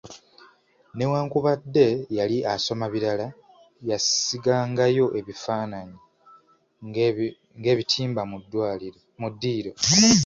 Newankubadde yali asoma birala, yasiigangayo ebifaananyi ng’abitimba mu ddiiro.